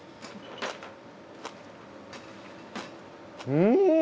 うん！